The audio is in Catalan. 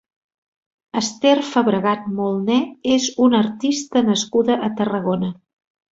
Ester Fabregat Molné és una artista nascuda a Tarragona.